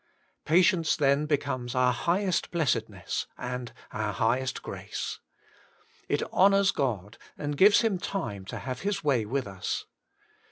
Patience then becomea our highest blessedness and our highest grace*. It honours God, and gives Him time to have His way with us.